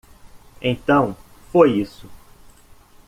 Então foi isso.